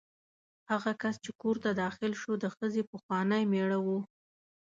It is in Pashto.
هغه کس چې کور ته داخل شو د ښځې پخوانی مېړه و.